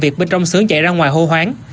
trong sướng chạy ra ngoài hô hoán